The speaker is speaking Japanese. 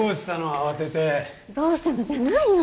慌ててどうしたのじゃないよ